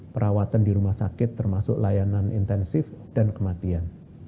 perawatan di rumah sakit termasuk layanan intensif dan kematian